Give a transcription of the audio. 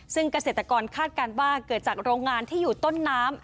ซึ่งเกษตรกรคาดการณ์ว่าเกิดจากโรงงานที่อยู่ต้นน้ำ